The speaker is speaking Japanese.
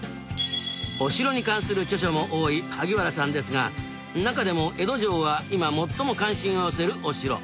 お城に関する著書も多い萩原さんですがなかでも江戸城は今最も関心を寄せるお城。